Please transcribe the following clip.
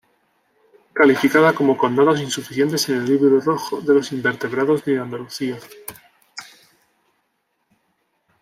Calificada como con datos insuficientes en el Libro Rojo de los Invertebrados de Andalucía.